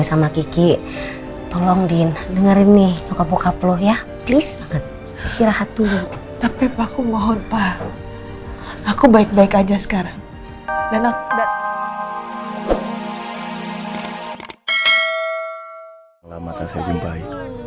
selamat saya jumpai